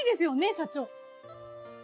社長？